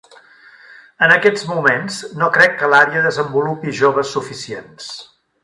En aquests moments, no crec que l'àrea desenvolupi joves suficients.